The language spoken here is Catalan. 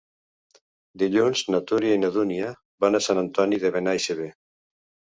Dilluns na Tura i na Dúnia van a Sant Antoni de Benaixeve.